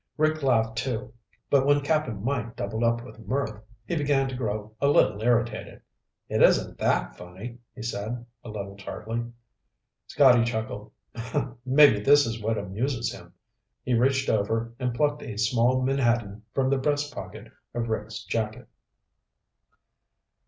Rick laughed, too, but when Cap'n Mike doubled up with mirth, he began to grow a little irritated. "It isn't that funny," he said, a little tartly. Scotty chuckled. "Maybe this is what amuses him." He reached over and plucked a small menhaden from the breast pocket of Rick's jacket.